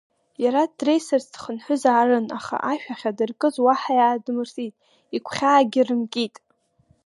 Иара дреисырц дхынҳәызаарын, аха ашә ахьадыркыз уаҳа иаадмыртит, игәхьаагьы рымкит.